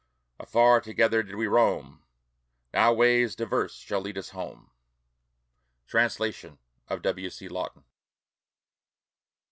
Afar together did we roam; Now ways diverse shall lead us home. Translation of W. C. Lawton.